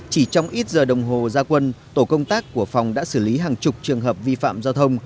chỉ trong ít giờ đồng hồ gia quân tổ công tác của phòng đã xử lý hàng chục trường hợp vi phạm giao thông